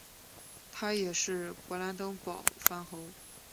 他也是勃兰登堡藩侯。